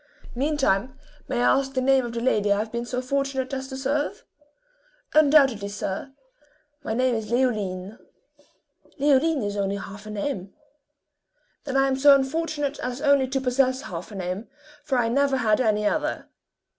Meantime, may I ask the name of the lady I have been so fortunate as to serve!" "Undoubtedly, sir my name is Leoline." "Leoline is only half a name." "Then I am so unfortunate an only to possess half a name, for I never had any other."